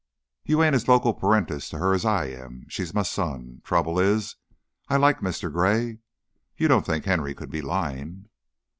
"You ain't as loco parentis to her as I am. She's my son. Trouble is, I like Mr. Gray. You don't think Henry could be lying?"